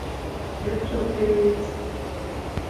Kep̌ç̌opit!